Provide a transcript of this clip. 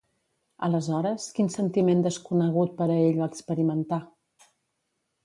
Aleshores, quin sentiment desconegut per a ell va experimentar?